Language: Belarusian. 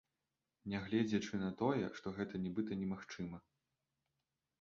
Нягледзячы на тое, што гэта нібыта немагчыма.